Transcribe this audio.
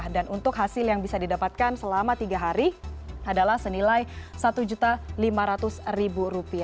dan untuk hasil yang bisa didapatkan selama tiga hari adalah senilai rp satu lima ratus